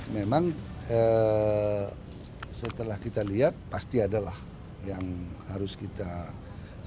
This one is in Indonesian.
memang setelah kita lihat pasti adalah yang harus kita lakukan